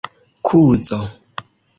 kuzo